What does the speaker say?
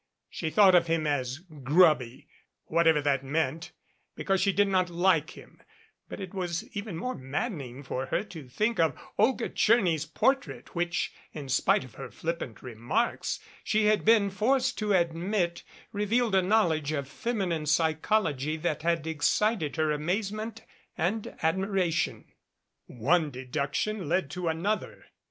She thought of him as "grubby," whatever that meant, because she did not like him, but it was even more maddening for her to think of Olga Tcherny's portrait, which, in spite of her flippant remarks, she had been forced to admit revealed a knowledge of feminine psychology that had excited her amazement and admiration. One deduction led to another.